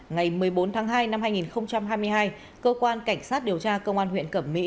ngày một mươi bốn tháng hai năm hai nghìn hai mươi hai cơ quan cảnh sát điều tra công an huyện cẩm mỹ